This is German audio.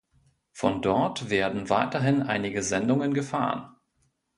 Von dort werden weiterhin einige Sendungen gefahren.